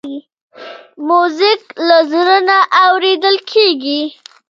موزیک له زړه نه اورېدل کېږي.